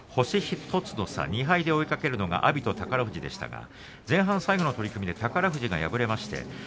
星１つの差、２敗で追いかけるのが阿炎と宝富士でしたが前半最後の取組で宝富士が敗れました。